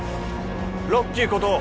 ロッキーこと